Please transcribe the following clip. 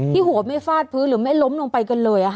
หัวไม่ฟาดพื้นหรือไม่ล้มลงไปกันเลย